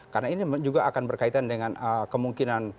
karena ini juga akan berkaitan dengan kemungkinan